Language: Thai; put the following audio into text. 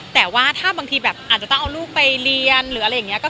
แต่ว่าถ้าบางทีแบบอาจจะต้องเอาลูกไปเรียนหรืออะไรอย่างนี้